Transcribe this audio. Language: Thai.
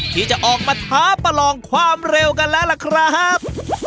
ที่จะออกมาท้าพลองความเรวกันล่ะแล้วครับ